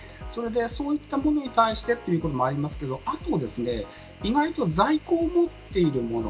そういったものに対してというのもありますがあとは意外と在庫を持っているもの。